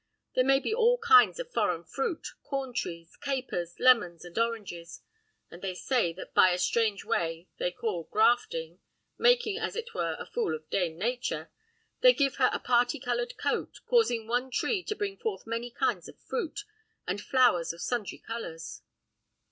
There may be seen all kinds of foreign fruit, corn trees, capers, lemons, and oranges. And they say that by a strange way they call grafting, making, as it were, a fool of Dame Nature, they give her a party coloured coat, causing one tree to bring forth many kinds of fruit, and flowers of sundry colours."